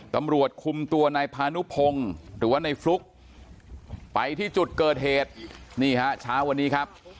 ตำรวจคุมตัวนายพานุพงศ์หรือว่าในฟลุ๊กไปที่จุดเกิดเหตุนี่ฮะเช้าวันนี้ครับ